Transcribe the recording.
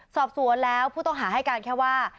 สอบสวนแล้วผู้ต้องหาให้การแค่ว่า